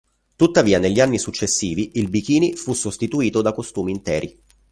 Tuttavia negli anni successivi il bikini fu sostituito da costumi interi.